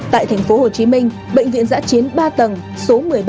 tại tp hcm bệnh viện giã chiến ba tầng số một mươi ba